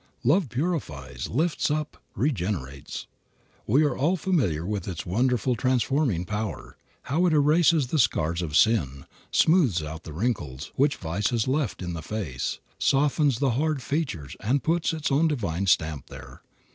Love purifies, lifts up, regenerates. We are all familiar with its wonderful transforming power; how it erases the scars of sin, smooths out the wrinkles which vice has left in the face, softens the hard features and puts its own divine stamp there.